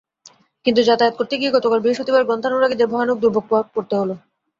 কিন্তু যাতায়াত করতে গিয়ে গতকাল বৃহস্পতিবার গ্রন্থানুরাগীদের ভয়ানক দুর্ভোগে পড়তে হলো।